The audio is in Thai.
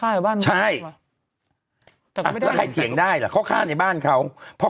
กลัวจะดึงมือคุณออยไปกัดพี่เป๋งเลยนะ